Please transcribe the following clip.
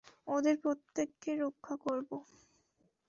ওদের প্রত্যেককে রক্ষা করবো!